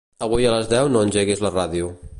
Avui a les deu no engeguis la ràdio.